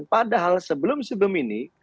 padahal sebelum sebelum ini